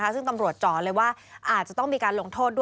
ซึ่งตำรวจจ่อเลยว่าอาจจะต้องมีการลงโทษด้วย